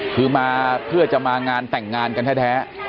คือมาเพื่อจะมางานแต่งงานกันแท้